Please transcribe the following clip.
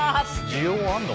需要あるの？